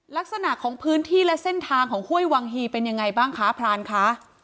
ลักษณะของพื้นที่และเส้นทางของห้วยวังฮีเป็นยังไงบ้างคะพรานคะ